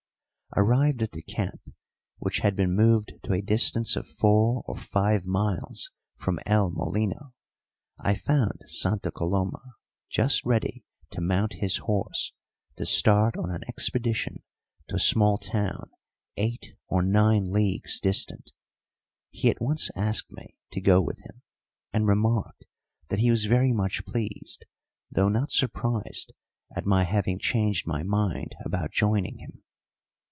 Arrived at the camp, which had been moved to a distance of four or five miles from El Molino, I found Santa Coloma just ready to mount his horse to start on an expedition to a small town eight or nine leagues distant. He at once asked me to go with him, and remarked that he was very much pleased, though not surprised, at my having changed my mind about joining him.